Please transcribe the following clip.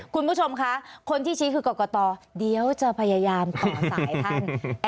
คุณผู้ชมคะคนที่ชี้คือกรกตเดี๋ยวจะพยายามต่อสายท่าน